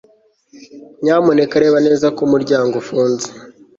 Nyamuneka reba neza ko umuryango ufunze